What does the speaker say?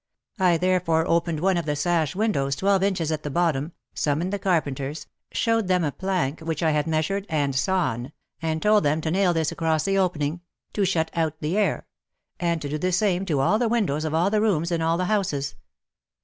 I therefore opened one of the sash windows twelve inches at the bottom, summoned the carpenters, showed them a plank which I had measured and sawn, and told them to nail this across the opening — *'to shut out the air," and to do the same to all the windows of all the rooms in all the houses.